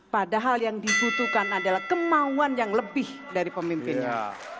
padahal yang dibutuhkan adalah kemauan yang lebih dari pemimpinnya